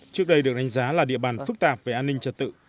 trước đây được đánh giá là địa bàn phức tạp về an ninh trật tự